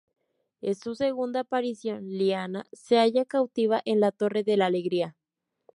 En su segunda aparición, Lyanna se halla cautiva en la Torre de la Alegría.